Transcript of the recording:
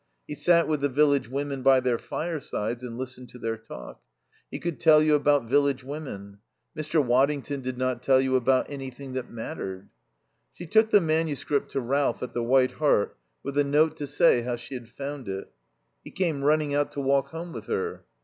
He sat with the village women by their firesides and listened to their talk; he could tell you about village women. Mr. Waddington did not tell you about anything that mattered. She took the manuscript to Ralph at the White Hart with a note to say how she had found it. He came running out to walk home with her.